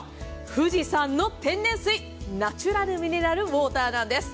富士山の天然水ナチュラルミネラルウォーターなんです。